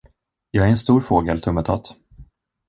Jag är en stor fågel, Tummetott